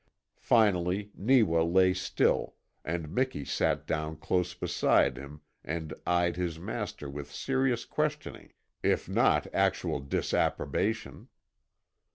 Finally Neewa lay still, and Miki sat down close beside him and eyed his master with serious questioning if not actual disapprobation.